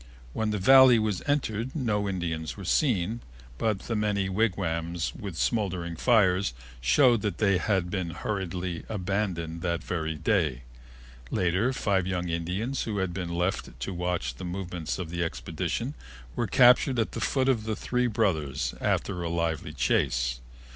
When the Valley was entered no Indians were seen, but the many wigwams with smoldering fires showed that they had been hurriedly abandoned that very day. Later, five young Indians who had been left to watch the movements of the expedition were captured at the foot of the Three Brothers after a lively chase.